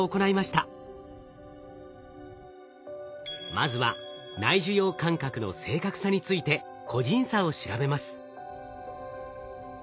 まずは内受容感覚の正確さについて個人差を調べます。